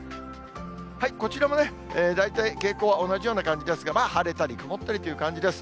こちらもね、大体傾向は同じような感じですが、まあ晴れたり曇ったりという感じです。